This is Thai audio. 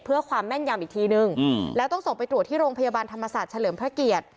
เพื่อความแม่นยำอีกทีนึงแล้วต้องส่งไปตรวจที่โรงพยาบาลธรรมศาสตร์เฉลิมพระเกียรติ